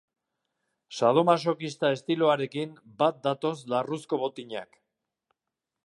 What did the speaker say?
Sadomasokista estiloarekin bat datoz larruzko botinak.